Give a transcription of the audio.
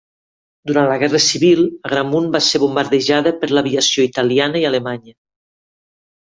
Durant la Guerra Civil, Agramunt va ser bombardejada per l’aviació italiana i alemanya.